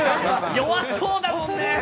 弱そうだもんね。